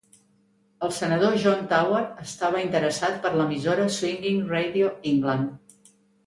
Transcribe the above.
El senador John Tower estava interessat per l'emissora Swinging Radio England.